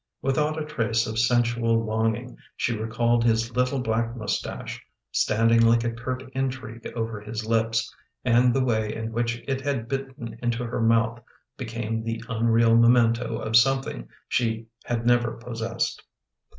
Without a trace of sensual longing she recalled his little black moustache, standing like a curt intrigue over his lips, and the way in which it had bitten into her mouth became the unreal memento of something she had never possessed.